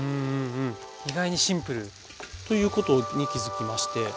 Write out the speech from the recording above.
意外にシンプル。ということに気付きまして。